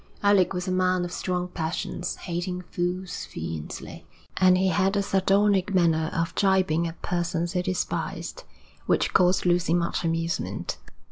Alec was a man of strong passions, hating fools fiercely, and he had a sardonic manner of gibing at persons he despised, which caused Lucy much amusement.